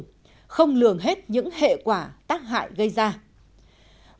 họ đã không nghĩ đến lợi ích sức khỏe của người tiêu dùng